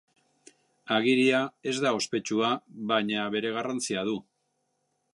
Agiria ez da ospetsua, baina bere garrantzia du.